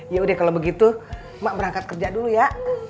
yaudah kalau begitu mak berangkat kerja dulu ya